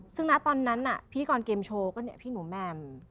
ซึ่งนะตอนนั้นพิธีกรเกมโชว์ก็แบบพี่หนูแม่ม